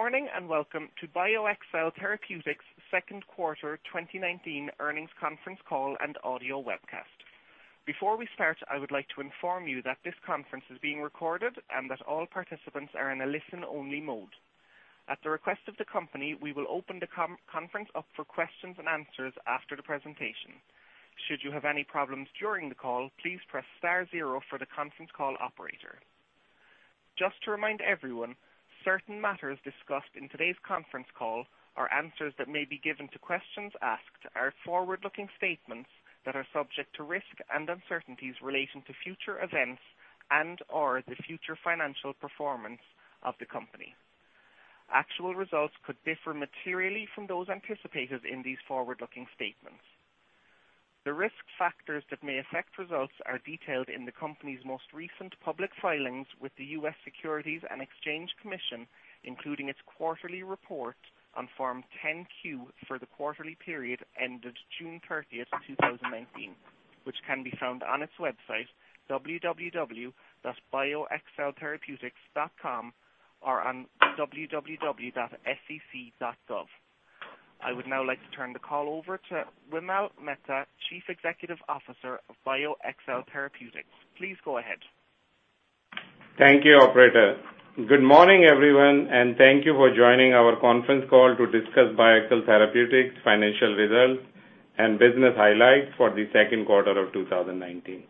Good morning, and welcome to BioXcel Therapeutics' second quarter 2019 earnings conference call and audio webcast. Before we start, I would like to inform you that this conference is being recorded and that all participants are in a listen-only mode. At the request of the company, we will open the conference up for questions and answers after the presentation. Should you have any problems during the call, please press star zero for the conference call operator. Just to remind everyone, certain matters discussed in today's conference call are answers that may be given to questions asked are forward-looking statements that are subject to risk and uncertainties relating to future events and/or the future financial performance of the company. Actual results could differ materially from those anticipated in these forward-looking statements. The risk factors that may affect results are detailed in the company's most recent public filings with the U.S. Securities and Exchange Commission, including its quarterly report on Form 10-Q for the quarterly period ended June 30th, 2019, which can be found on its website, www.bioxceltherapeutics.com, or on www.sec.gov. I would now like to turn the call over to Vimal Mehta, Chief Executive Officer of BioXcel Therapeutics. Please go ahead. Thank you, operator. Good morning, everyone, and thank you for joining our conference call to discuss BioXcel Therapeutics financial results and business highlights for the second quarter of 2019.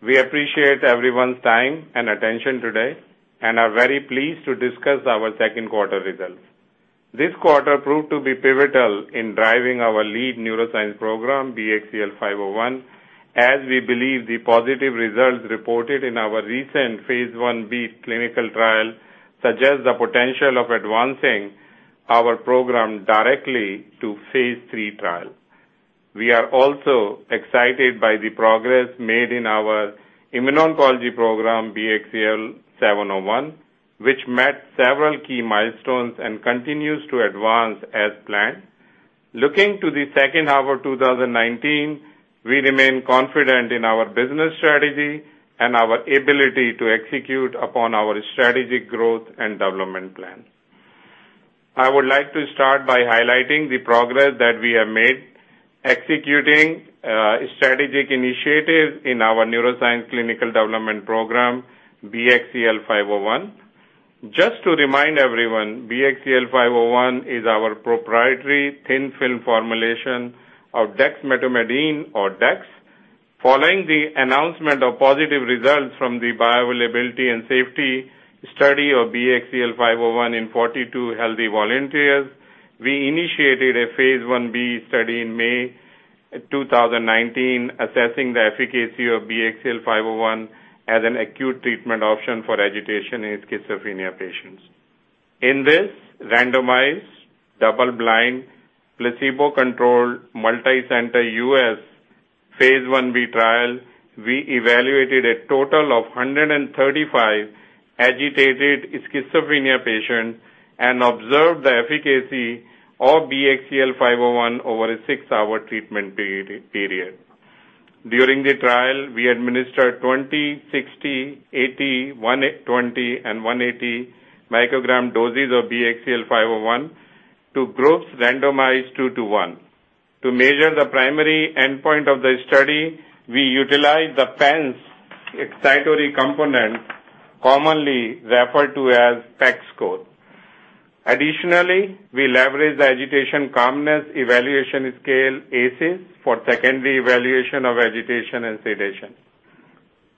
We appreciate everyone's time and attention today and are very pleased to discuss our second quarter results. This quarter proved to be pivotal in driving our lead neuroscience program, BXCL501, as we believe the positive results reported in our recent phase I-B clinical trial suggest the potential of advancing our program directly to phase III trial. We are also excited by the progress made in our immuno-oncology program, BXCL701, which met several key milestones and continues to advance as planned. Looking to the second half of 2019, we remain confident in our business strategy and our ability to execute upon our strategic growth and development plan. I would like to start by highlighting the progress that we have made executing strategic initiatives in our neuroscience clinical development program, BXCL501. Just to remind everyone, BXCL501 is our proprietary thin film formulation of dexmedetomidine or dex. Following the announcement of positive results from the bioavailability and safety study of BXCL501 in 42 healthy volunteers, we initiated a phase I-B study in May 2019, assessing the efficacy of BXCL501 as an acute treatment option for agitation in schizophrenia patients. In this randomized, double-blind, placebo-controlled, multi-center U.S. phase I-B trial, we evaluated a total of 135 agitated schizophrenia patients and observed the efficacy of BXCL501 over a six-hour treatment period. During the trial, we administered 20, 60, 80, 120, and 180 microgram doses of BXCL501 to groups randomized two to one. To measure the primary endpoint of the study, we utilized the PANSS Excited Component, commonly referred to as PEC score. Additionally, we leveraged the Agitation-Calmness Evaluation Scale, ACES, for secondary evaluation of agitation and sedation.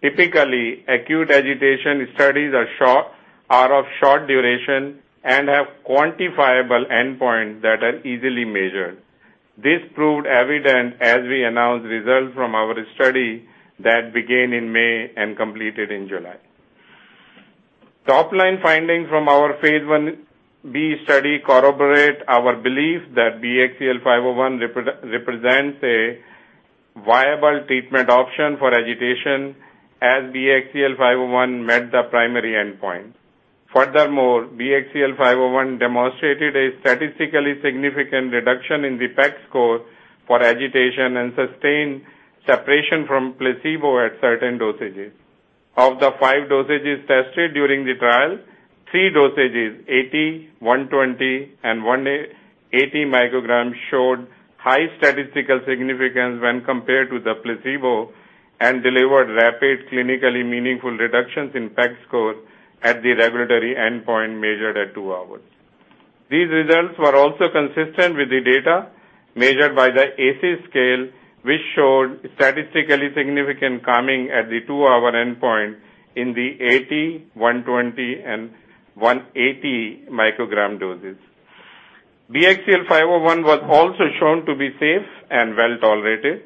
Typically, acute agitation studies are of short duration and have quantifiable endpoints that are easily measured. This proved evident as we announced results from our study that began in May and completed in July. Top-line findings from our Phase I-B study corroborate our belief that BXCL501 represents a viable treatment option for agitation as BXCL501 met the primary endpoint. Furthermore, BXCL501 demonstrated a statistically significant reduction in the PEC score for agitation and sustained separation from placebo at certain dosages. Of the five dosages tested during the trial, three dosages, 80, 120, and 180 micrograms, showed high statistical significance when compared to the placebo and delivered rapid, clinically meaningful reductions in PEC score at the regulatory endpoint measured at two hours. These results were also consistent with the data measured by the ACES scale, which showed statistically significant calming at the two-hour endpoint in the 80, 120, and 180 microgram doses. BXCL501 was also shown to be safe and well-tolerated,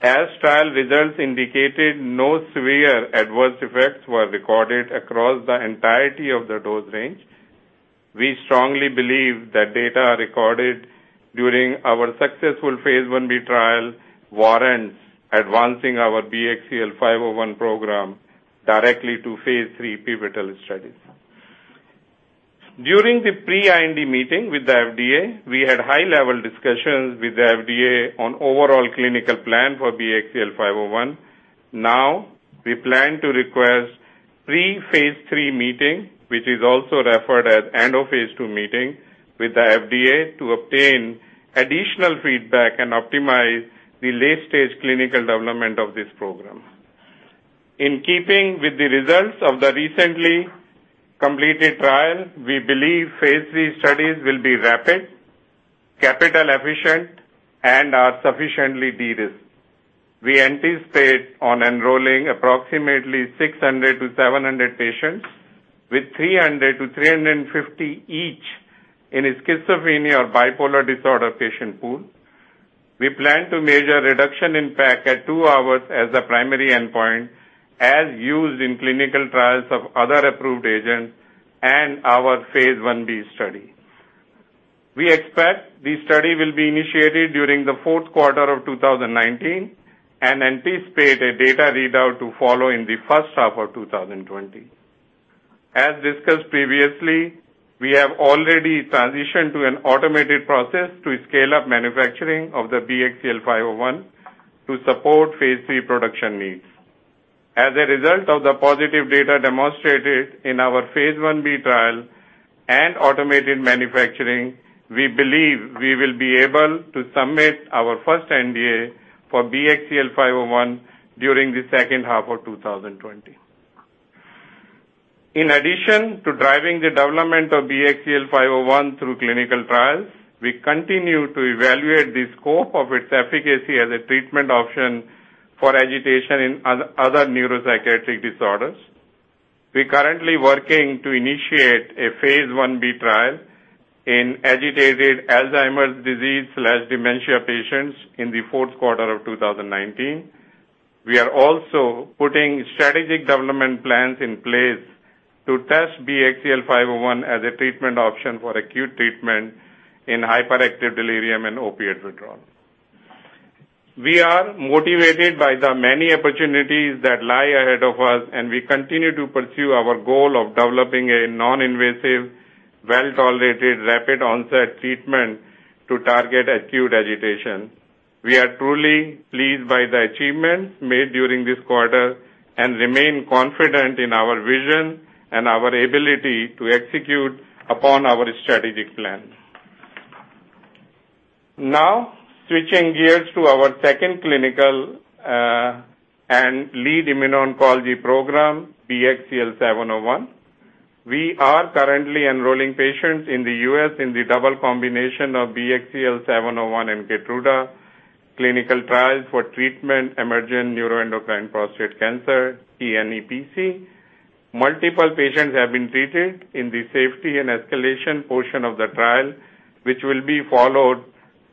as trial results indicated no severe adverse effects were recorded across the entirety of the dose range. We strongly believe that data recorded during our successful Phase I-B trial warrants advancing our BXCL501 program directly to Phase III pivotal studies. During the pre-IND meeting with the FDA, we had high-level discussions with the FDA on overall clinical plan for BXCL501. We plan to request pre-phase III meeting, which is also referred as end of phase II meeting, with the FDA to obtain additional feedback and optimize the late-stage clinical development of this program. In keeping with the results of the recently completed trial, we believe phase III studies will be rapid, capital efficient, and are sufficiently de-risked. We anticipate on enrolling approximately 600-700 patients, with 300-350 each in a schizophrenia or bipolar disorder patient pool. We plan to measure reduction in PEC at two hours as a primary endpoint, as used in clinical trials of other approved agents and our phase I-B study. We expect the study will be initiated during the fourth quarter of 2019, and anticipate a data readout to follow in the first half of 2020. As discussed previously, we have already transitioned to an automated process to scale up manufacturing of the BXCL501 to support phase III production needs. As a result of the positive data demonstrated in our phase I-B trial and automated manufacturing, we believe we will be able to submit our first NDA for BXCL501 during the second half of 2020. In addition to driving the development of BXCL501 through clinical trials, we continue to evaluate the scope of its efficacy as a treatment option for agitation in other neuropsychiatric disorders. We are currently working to initiate a phase I-B trial in agitated Alzheimer's disease/dementia patients in the fourth quarter of 2019. We are also putting strategic development plans in place to test BXCL501 as a treatment option for acute treatment in hyperactive delirium and opiate withdrawal. We are motivated by the many opportunities that lie ahead of us, and we continue to pursue our goal of developing a non-invasive, well-tolerated, rapid onset treatment to target acute agitation. We are truly pleased by the achievements made during this quarter and remain confident in our vision and our ability to execute upon our strategic plan. Now, switching gears to our second clinical, and lead immuno-oncology program, BXCL701. We are currently enrolling patients in the U.S. in the double combination of BXCL701 and Keytruda clinical trials for treatment emergent neuroendocrine prostate cancer, tNEPC. Multiple patients have been treated in the safety and escalation portion of the trial, which will be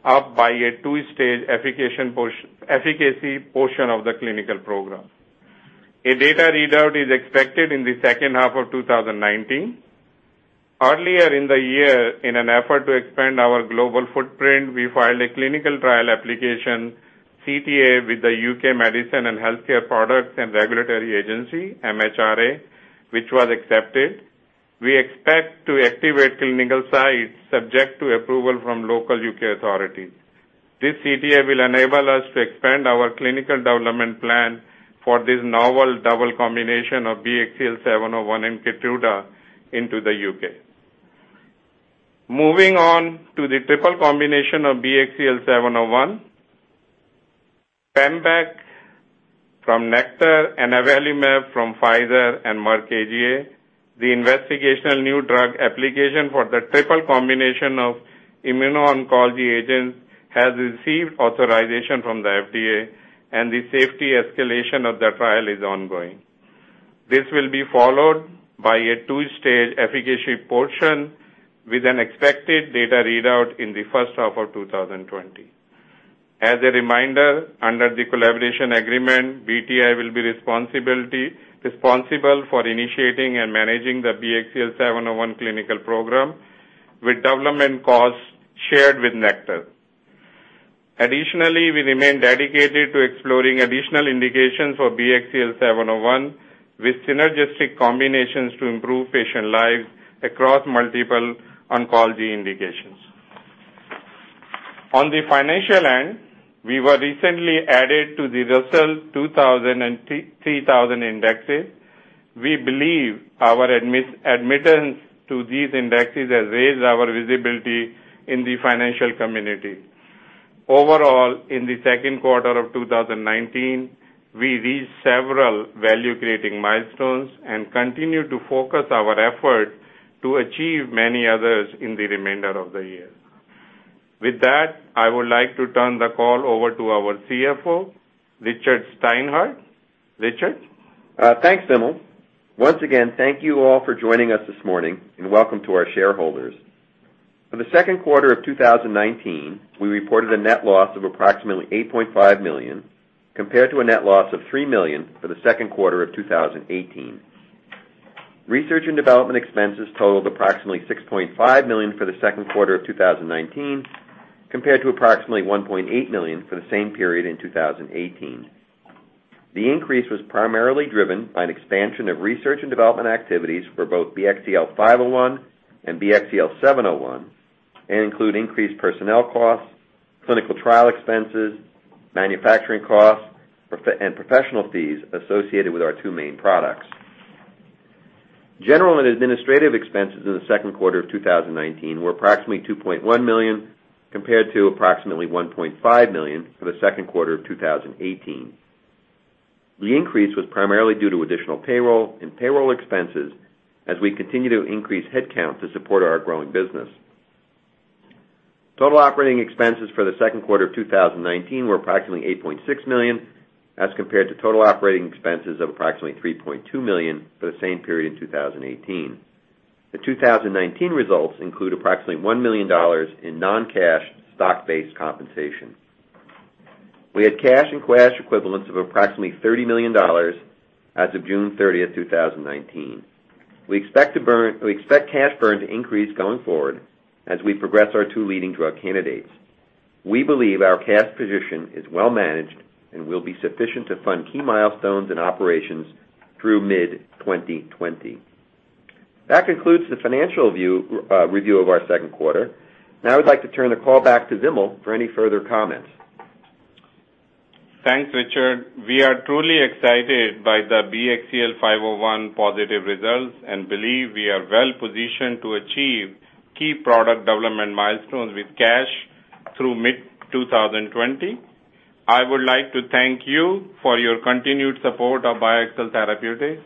followed up by a 2-stage efficacy portion of the clinical program. A data readout is expected in the second half of 2019. Earlier in the year, in an effort to expand our global footprint, we filed a clinical trial application, CTA, with the U.K. Medicines and Healthcare products Regulatory Agency, MHRA, which was accepted. We expect to activate clinical sites subject to approval from local U.K. authorities. This CTA will enable us to expand our clinical development plan for this novel double combination of BXCL701 and Keytruda into the U.K. Moving on to the triple combination of BXCL701, NKTR-214 from Nektar Therapeutics, avelumab from Pfizer and Merck KGaA, the investigational new drug application for the triple combination of immuno-oncology agents has received authorization from the FDA, and the safety escalation of the trial is ongoing. This will be followed by a two-stage efficacy portion with an expected data readout in the first half of 2020. As a reminder, under the collaboration agreement, BTI will be responsible for initiating and managing the BXCL701 clinical program, with development costs shared with Nektar. Additionally, we remain dedicated to exploring additional indications for BXCL701 with synergistic combinations to improve patient lives across multiple oncology indications. On the financial end, we were recently added to the Russell 2000 and 3000 indexes. We believe our admittance to these indexes has raised our visibility in the financial community. Overall, in the second quarter of 2019, we reached several value-creating milestones and continue to focus our effort to achieve many others in the remainder of the year. With that, I would like to turn the call over to our CFO, Richard Steinhart. Richard? Thanks, Vimal. Once again, thank you all for joining us this morning, and welcome to our shareholders. For the second quarter of 2019, we reported a net loss of approximately $8.5 million, compared to a net loss of $3 million for the second quarter of 2018. Research and development expenses totaled approximately $6.5 million for the second quarter of 2019, compared to approximately $1.8 million for the same period in 2018. The increase was primarily driven by an expansion of research and development activities for both BXCL501 and BXCL701 Include increased personnel costs, clinical trial expenses, manufacturing costs, and professional fees associated with our 2 main products. General and administrative expenses in the second quarter of 2019 were approximately $2.1 million, compared to approximately $1.5 million for the second quarter of 2018. The increase was primarily due to additional payroll and payroll expenses as we continue to increase head count to support our growing business. Total operating expenses for the second quarter of 2019 were approximately $8.6 million, as compared to total operating expenses of approximately $3.2 million for the same period in 2018. The 2019 results include approximately $1 million in non-cash stock-based compensation. We had cash and cash equivalents of approximately $30 million as of June 30th, 2019. We expect cash burn to increase going forward as we progress our 2 leading drug candidates. We believe our cash position is well managed and will be sufficient to fund key milestones and operations through mid-2020. That concludes the financial review of our second quarter. I'd like to turn the call back to Vimal for any further comments. Thanks, Richard. We are truly excited by the BXCL501 positive results and believe we are well-positioned to achieve key product development milestones with cash through mid-2020. I would like to thank you for your continued support of BioXcel Therapeutics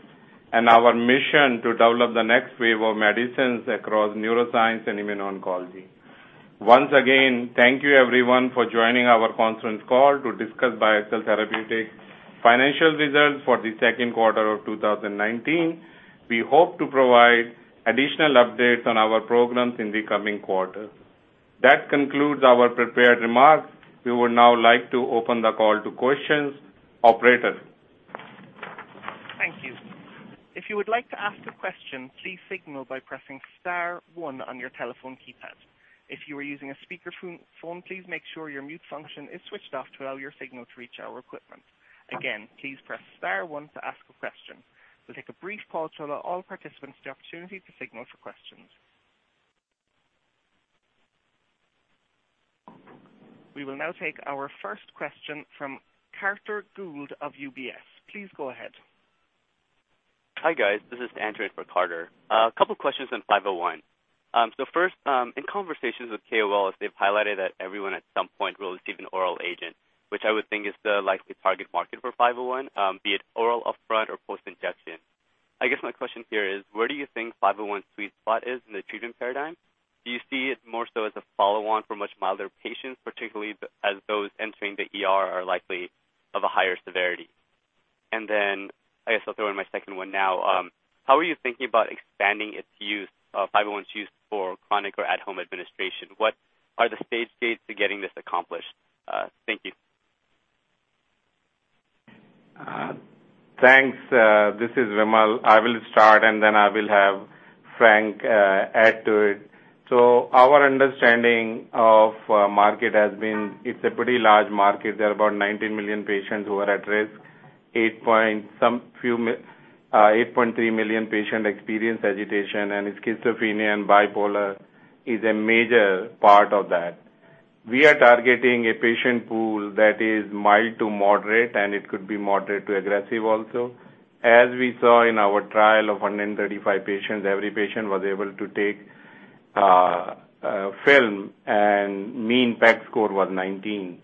and our mission to develop the next wave of medicines across neuroscience and immuno-oncology. Once again, thank you everyone for joining our conference call to discuss BioXcel Therapeutics financial results for the second quarter of 2019. We hope to provide additional updates on our programs in the coming quarters. That concludes our prepared remarks. We would now like to open the call to questions. Operator? Thank you. If you would like to ask a question, please signal by pressing star 1 on your telephone keypad. If you are using a speakerphone, please make sure your mute function is switched off to allow your signal to reach our equipment. Again, please press star 1 to ask a question. We'll take a brief pause to allow all participants the opportunity to signal for questions. We will now take our first question from Carter Gould of UBS. Please go ahead. Hi, guys. This is Andrew in for Carter. A couple questions on 501. First, in conversations with KOL, as they've highlighted that everyone at some point will receive an oral agent, which I would think is the likely target market for 501, be it oral, upfront, or post-injection. I guess my question here is, where do you think 501's sweet spot is in the treatment paradigm? Do you see it more so as a follow-on for much milder patients, particularly as those entering the ER are likely of a higher severity? Then I guess I'll throw in my second one now. How are you thinking about expanding its use, 501's use, for chronic or at-home administration? What are the stage gates to getting this accomplished? Thank you. Thanks. This is Vimal. I will start, and then I will have Frank add to it. Our understanding of market has been it's a pretty large market. There are about 19 million patients who are at risk. 8.3 million patient experience agitation, and schizophrenia and bipolar is a major part of that. We are targeting a patient pool that is mild to moderate, and it could be moderate to aggressive also. As we saw in our trial of 135 patients, every patient was able to take film, and mean PEC score was 19.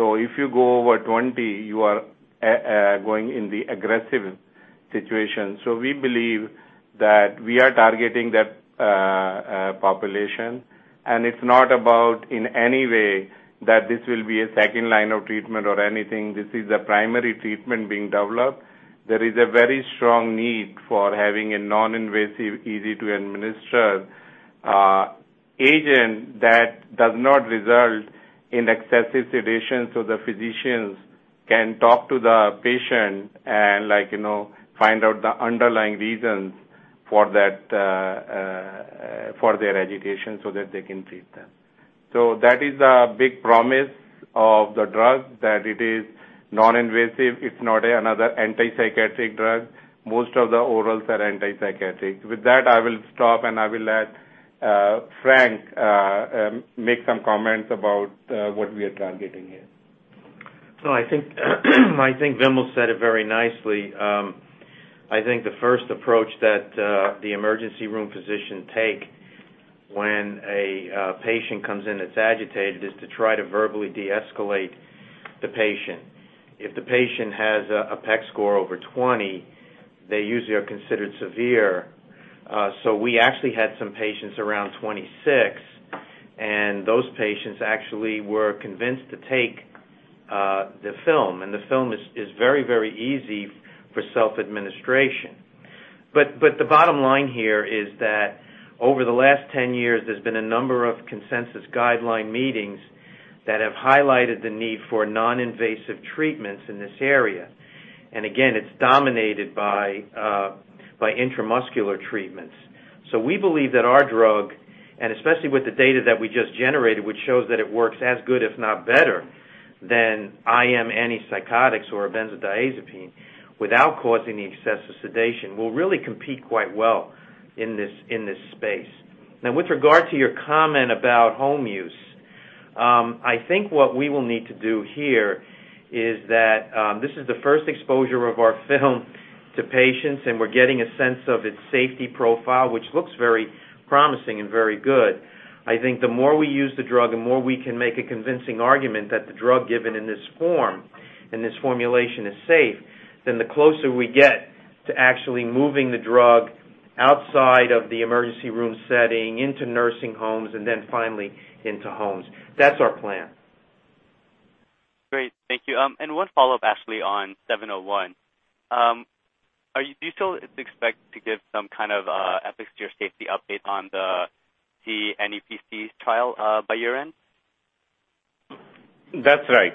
If you go over 20, you are going in the aggressive situation. We believe that we are targeting that population, and it's not about, in any way, that this will be a second line of treatment or anything. This is a primary treatment being developed. There is a very strong need for having a non-invasive, easy to administer agent that does not result in excessive sedation so the physicians can talk to the patient and find out the underlying reasons for their agitation so that they can treat them. That is a big promise of the drug, that it is non-invasive. It's not another antipsychotic drug. Most of the orals are antipsychotic. With that, I will stop and I will let Frank make some comments about what we are targeting here. I think Vimal said it very nicely. I think the first approach that the emergency room physician take when a patient comes in that's agitated is to try to verbally deescalate the patient. If the patient has a PEC score over 20, they usually are considered severe. We actually had some patients around 26, and those patients actually were convinced to take the film. The film is very, very easy for self-administration. The bottom line here is that over the last 10 years, there's been a number of consensus guideline meetings that have highlighted the need for non-invasive treatments in this area. Again, it's dominated by intramuscular treatments. We believe that our drug, and especially with the data that we just generated, which shows that it works as good, if not better than IM antipsychotics or a benzodiazepine without causing the excessive sedation will really compete quite well in this space. With regard to your comment about home use, I think what we will need to do here is that this is the first exposure of our film to patients, and we're getting a sense of its safety profile, which looks very promising and very good. I think the more we use the drug, the more we can make a convincing argument that the drug given in this form, in this formulation, is safe, then the closer we get to actually moving the drug outside of the emergency room setting, into nursing homes, and then finally into homes. That's our plan. Great. Thank you. One follow-up, actually, on 701. Do you still expect to give some kind of efficacy or safety update on the NEPC trial by year-end? That's right.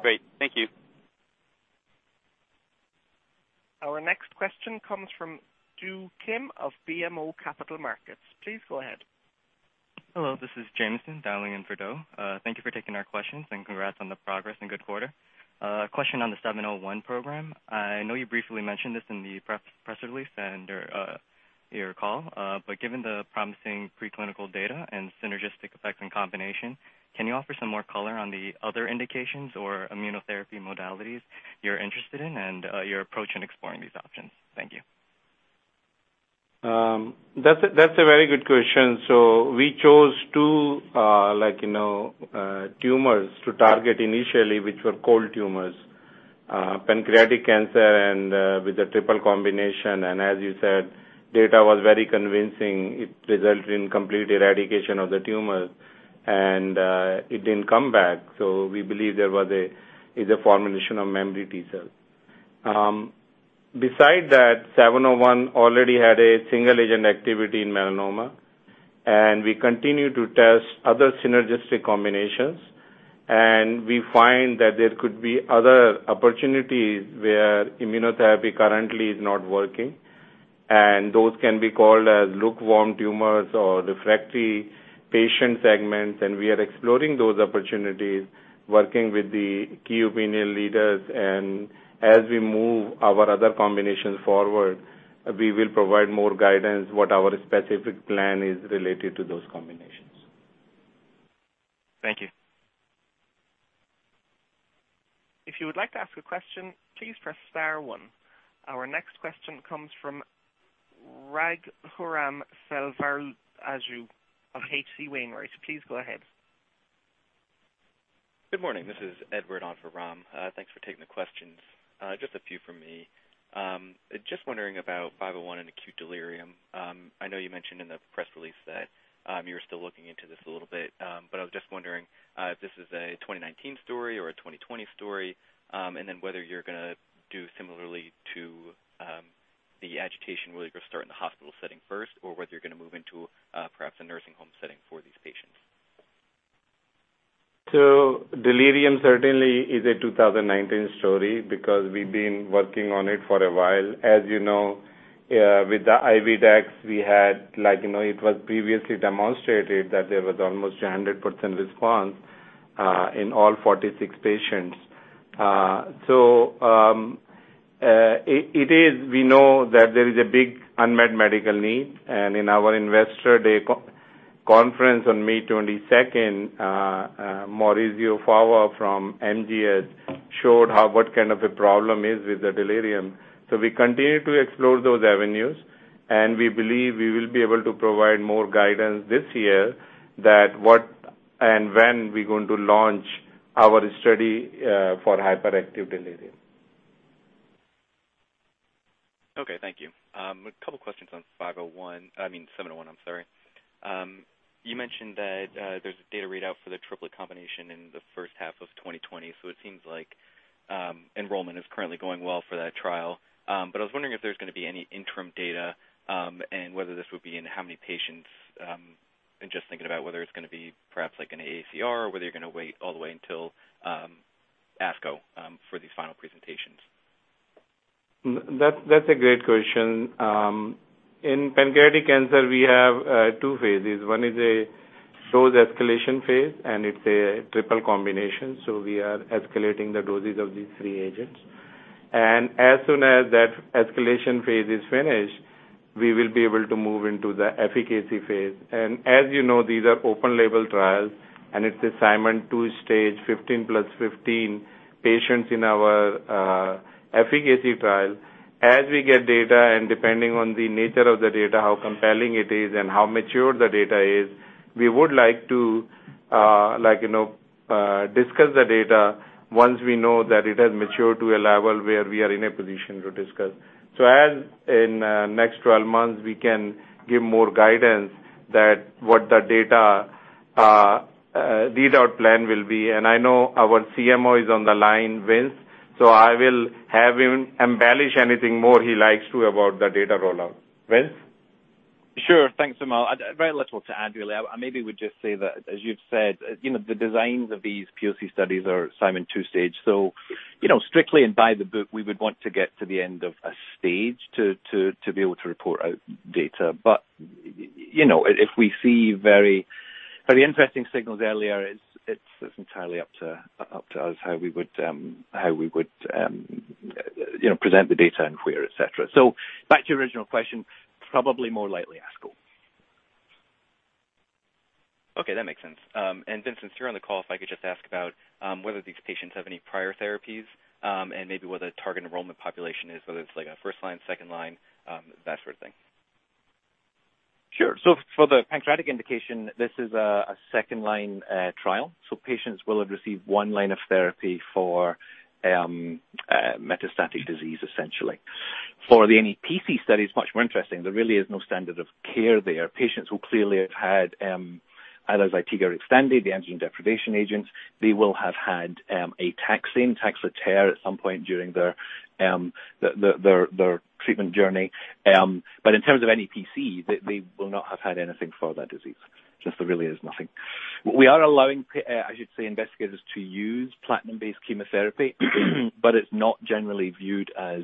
Great. Thank you. Our next question comes from Ju Kim of BMO Capital Markets. Please go ahead. Hello, this is Jameson dialing in for Ju. Thank you for taking our questions, and congrats on the progress and good quarter. A question on the 701 program. I know you briefly mentioned this in the press release and your call. Given the promising preclinical data and synergistic effect and combination, can you offer some more color on the other indications or immunotherapy modalities you're interested in and your approach in exploring these options? Thank you. That's a very good question. We chose two tumors to target initially, which were cold tumors. Pancreatic cancer and with a triple combination, as you said, data was very convincing. It resulted in complete eradication of the tumor, and it didn't come back. We believe there is a formulation of memory T cell. Besides that, 701 already had a single-agent activity in melanoma, and we continue to test other synergistic combinations, and we find that there could be other opportunities where immunotherapy currently is not working, and those can be called lukewarm tumors or refractory patient segments. We are exploring those opportunities, working with the key opinion leaders, and as we move our other combinations forward, we will provide more guidance what our specific plan is related to those combinations. Thank you. If you would like to ask a question, please press star one. Our next question comes from Raghuram Selvaraju of H.C. Wainwright. Please go ahead. Good morning. This is Edward on for Ram. Thanks for taking the questions. Just a few from me. Just wondering about 501 and acute delirium. I know you mentioned in the press release that you were still looking into this a little bit. I was just wondering if this is a 2019 story or a 2020 story, and then whether you're going to do similarly to the agitation, will you go start in the hospital setting first or whether you're going to move into perhaps a nursing home setting for these patients? Delirium certainly is a 2019 story because we've been working on it for a while. As you know, with the IV dex, it was previously demonstrated that there was almost 100% response in all 46 patients. We know that there is a big unmet medical need, and in our investor conference on May 22nd, Maurizio Fava from MGH showed what kind of a problem is with the delirium. We continue to explore those avenues, and we believe we will be able to provide more guidance this year that what and when we're going to launch our study for hyperactive delirium. Okay. Thank you. A couple questions on 501. I mean, 701. I'm sorry. You mentioned that there's a data readout for the triplet combination in the first half of 2020. It seems like enrollment is currently going well for that trial. I was wondering if there's going to be any interim data, and whether this would be in how many patients, I'm just thinking about whether it's going to be perhaps like an AACR or whether you're going to wait all the way until ASCO for these final presentations. That's a great question. In pancreatic cancer, we have two phases. One is a slow escalation phase, it's a triple combination. We are escalating the doses of these three agents. As soon as that escalation phase is finished, we will be able to move into the efficacy phase. As you know, these are open-label trials, it's a Simon two-stage, 15 plus 15 patients in our efficacy trial. As we get data and depending on the nature of the data, how compelling it is, and how mature the data is, we would like to discuss the data once we know that it has matured to a level where we are in a position to discuss. As in the next 12 months, we can give more guidance that what the data readout plan will be. I know our CMO is on the line, Vince, so I will have him embellish anything more he likes to about the data rollout. Vince? Sure. Thanks, Vimal. Very little to add really. I maybe would just say that, as you've said, the designs of these POC studies are Simon two-stage. Strictly and by the book, we would want to get to the end of a stage to be able to report out data. If we see very interesting signals earlier, it's entirely up to us how we would present the data and where, et cetera. Back to your original question, probably more likely ASCO. Okay, that makes sense. Vincent, since you're on the call, if I could just ask about whether these patients have any prior therapies and maybe what the target enrollment population is, whether it's a first line, second line, that sort of thing. Sure. For the pancreatic indication, this is a second-line trial. Patients will have received one line of therapy for metastatic disease, essentially. For the NEPC study, it's much more interesting. There really is no standard of care there. Patients who clearly have had either Zytiga extended, the androgen deprivation agents, they will have had a taxane, Taxotere, at some point during their treatment journey. In terms of NEPC, they will not have had anything for that disease. Just there really is nothing. We are allowing, I should say, investigators to use platinum-based chemotherapy, but it's not generally viewed as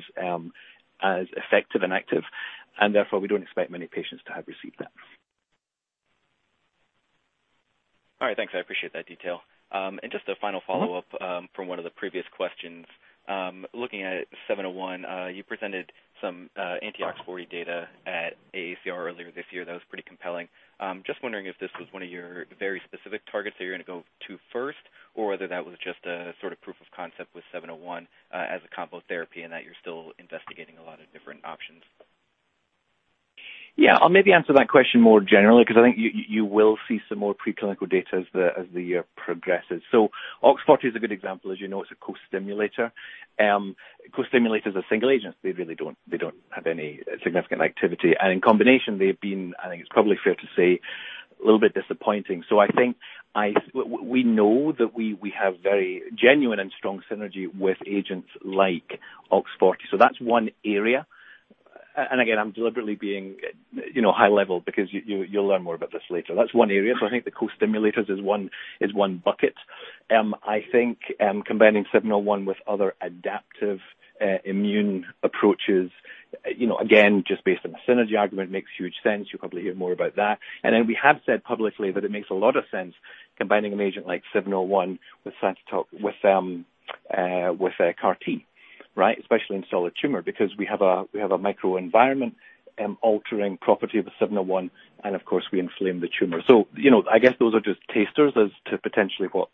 effective and active, and therefore, we don't expect many patients to have received that. All right, thanks. I appreciate that detail. Just a final follow-up from one of the previous questions. Looking at BXCL701, you presented some anti-OX40 data at AACR earlier this year that was pretty compelling. Just wondering if this was one of your very specific targets that you're going to go to first or whether that was just a sort of proof of concept with BXCL701 as a combo therapy and that you're still investigating a lot of different options. Yeah, I'll maybe answer that question more generally because I think you will see some more preclinical data as the year progresses. OX40 is a good example. As you know, it's a co-stimulator. Co-stimulators as single agents, they don't have any significant activity. In combination, they've been, I think it's probably fair to say, a little bit disappointing. I think we know that we have very genuine and strong synergy with agents like OX40. That's one area. Again, I'm deliberately being high level because you'll learn more about this later. That's one area. I think the co-stimulators is one bucket. I think combining BXCL701 with other adaptive immune approaches, again, just based on the synergy argument, makes huge sense. You'll probably hear more about that. We have said publicly that it makes a lot of sense combining an agent like 701 with CAR T, right? Especially in solid tumor, because we have a microenvironment-altering property of the 701, and of course, we inflame the tumor. I guess those are just tasters as to potentially what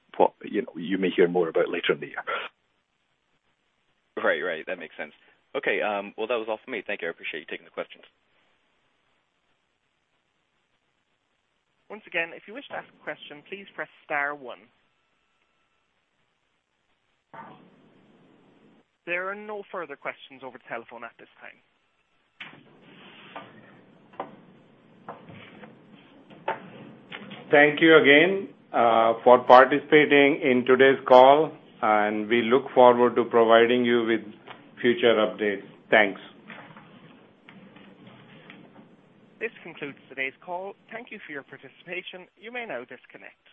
you may hear more about later in the year. Right. That makes sense. Okay. Well, that was all for me. Thank you. I appreciate you taking the questions. Once again, if you wish to ask a question, please press star one. There are no further questions over the telephone at this time. Thank you again for participating in today's call, and we look forward to providing you with future updates. Thanks. This concludes today's call. Thank you for your participation. You may now disconnect.